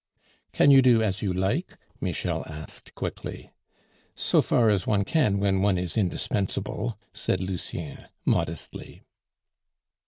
"Can you do as you like?" Michel asked quickly. "So far as one can when one is indispensable," said Lucien modestly.